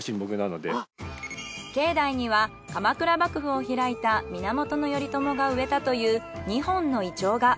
境内には鎌倉幕府を開いた源頼朝が植えたという２本のイチョウが。